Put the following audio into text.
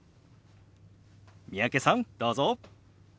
三宅さんどうぞ。